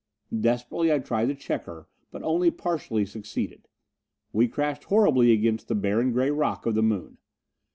Desperately I tried to check her, but only partially succeeded. We crashed horribly against the barren gray rock of the Moon.